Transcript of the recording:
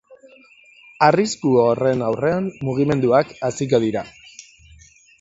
Arrisku horren aurrean mugimenduak hasiko dira.